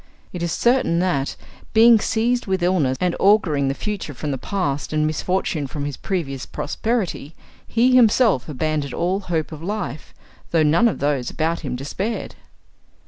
It is certain that, being seized with illness, and auguring the future from the past and misfortune from his previous prosperity, he himself abandoned all hope of life, though none of those about him despaired.